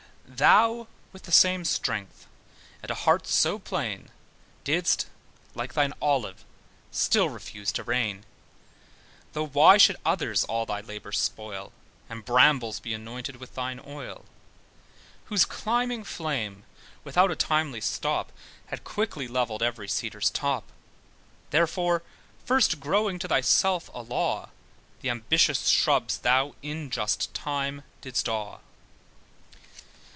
Thou with the same strength, and an heart as plain, Didst (like thine olive) still refuse to reign, Though why should others all thy labour spoil, And brambles be anointed with thine oil, Whose climbing flame, without a timely stop, Had quickly levelled every cedar's top? Therefore first growing to thyself a law, Th' ambitious shrubs thou in just time didst awe.